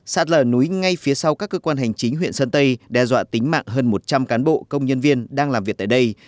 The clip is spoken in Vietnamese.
sạt lở núi ngay phía sau các cơ quan hành chính huyện sơn tây đe dọa tính mạng hơn một trăm linh cán bộ công nhân viên đang làm việc tại đây